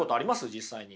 実際に。